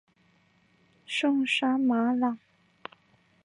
圣沙马朗。